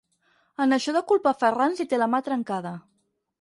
En això de culpar Ferrans hi té la mà trencada.